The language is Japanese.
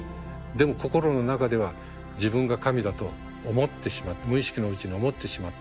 でも心の中では自分が神だと思ってしまって無意識のうちに思ってしまっている。